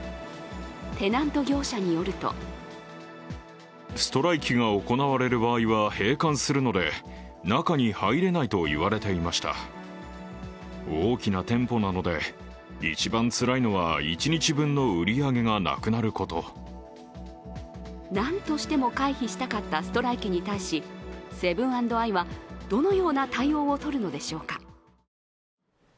テナント業者によるとなんとしても回避したかったストライキに対し、セブン＆アイはどのような対応をとるのでしょうか。